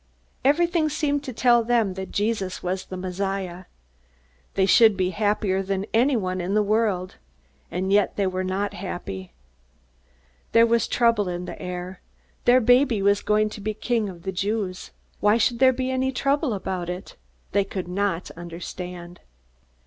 Everything seemed to tell them that Jesus was the Messiah. They should be happier than anyone in the world. And yet they were not happy. There was trouble in the air. Their baby was going to be King of the Jews. Why should there be any trouble about it? They could not understand.